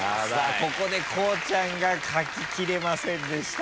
ここでこうちゃんが書ききれませんでした。